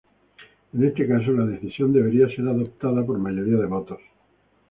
En este caso, la decisión deberá ser adoptada por mayoría de votos.